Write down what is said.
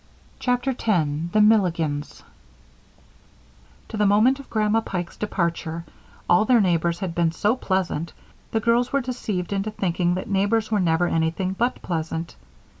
CHAPTER 10 The Milligans To the moment of Grandma Pike's departure, all their neighbors had been so pleasant that the girls were deceived into thinking that neighbors were never anything but pleasant.